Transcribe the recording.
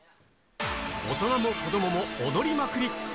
大人も子どもも踊りまくり。